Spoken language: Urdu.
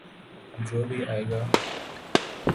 جو بھی آئے گا۔